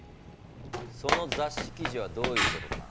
その雑誌記事はどういうことかな？